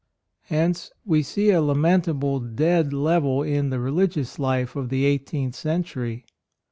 Hence we see a lament 8 A ROYAL SON able dead level in the religious life of the eighteenth century.